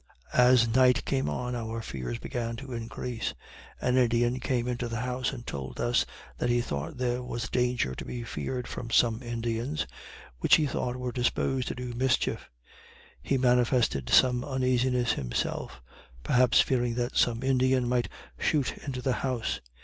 As night came on, our fears began to increase. An Indian came into the house and told us that he thought there was danger to be feared from some Indians, which he thought were disposed to do mischief. He manifested some uneasiness himself; perhaps fearing that some Indian might shoot into the house.